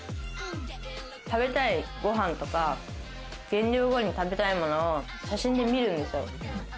食べたいご飯とか、減量後に食べたいものを写真で見るんですよ。